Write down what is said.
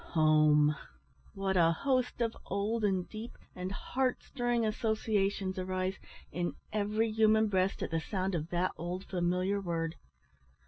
Home! What a host of old and deep and heart stirring associations arise in every human breast at the sound of that old familiar word!